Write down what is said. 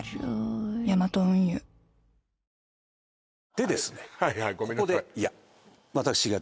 でですね